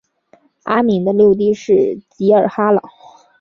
阿敏的六弟是济尔哈朗。